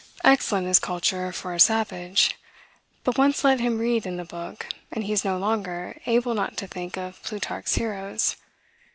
Excellent is culture for a savage; but once let him read in the book, and he is no longer able not to think of Plutarch's heroes.